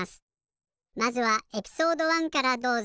まずはエピソード１からどうぞ。